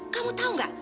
kamu tahu nggak